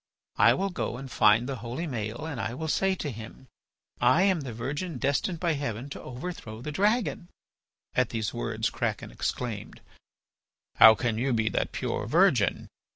I will go and find the holy Maël and I will say to him: 'I am the virgin destined by Heaven to overthrow the dragon.'" At these words Kraken exclaimed: "How can you be that pure virgin?